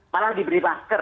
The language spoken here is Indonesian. malah diberi masker